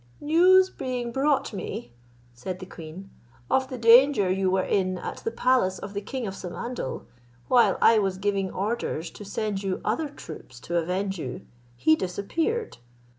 "News being brought me," said the queen, "of the danger you were in at the palace of the king of Samandal, whilst I was giving orders to send you other troops to avenge you, he disappeared.